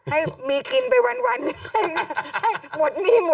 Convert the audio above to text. ให้มีกินไปวันนี่ใช่ไหม